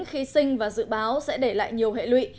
khi sinh và dự báo sẽ để lại nhiều hệ lụy